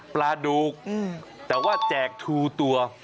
ปลาดุกแต่ว่าแจกชูตัว